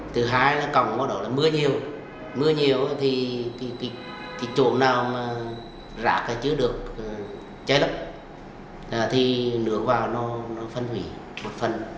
từ hai còng mưa nhiều mưa nhiều thì chỗ nào rác chứa được cháy lấp thì nước vào phân hủy một phần